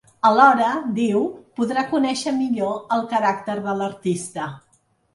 Alhora, diu, podrà conèixer millor el caràcter de l’artista.